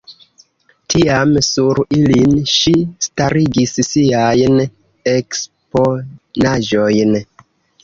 Tiam sur ilin ŝi starigis siajn eksponaĵojn.